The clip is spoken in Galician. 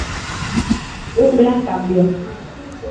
Un gran cambio.